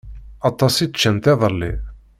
Aṭas i ččant iḍelli.